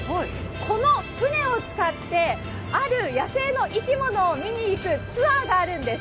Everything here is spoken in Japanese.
この船を使って、ある野性の生き物を見に行くツアーがあるんです。